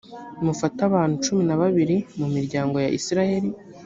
mufate abantu cumi na babiri mu miryango ya israheli.